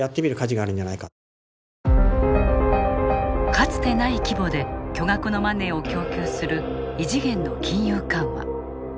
かつてない規模で巨額のマネーを供給する異次元の金融緩和。